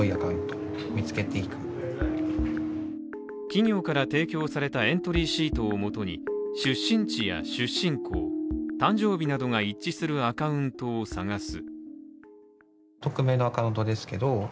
企業から提供されたエントリーシートをもとに出身地や出身校、誕生日などが一致するアカウントを探す。